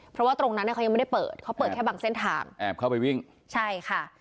เพราะว่าตรงนั้นเนี่ยเขายังไม่ได้เปิดเขาเปิดแค่บางเส้นทางแอบเข้าไปวิ่งใช่ค่ะ